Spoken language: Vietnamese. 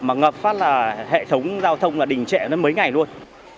mà ngập phát là hệ thống giao thông là đỉnh trệ mấy ngày luôn